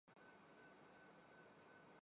دل کو دل سے راہ ہوتی ہے